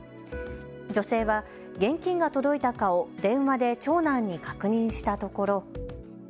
女性は現金が届いたかを電話で長男に確認したところ。